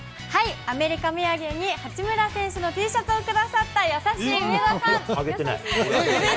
アメリカ土産に八村選手のＴシャツをくださった優しい上田さあげてない。